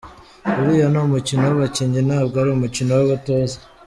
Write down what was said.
Uriya ni umukino w’abakinnyi ntabwo ari umukino w’abatoza.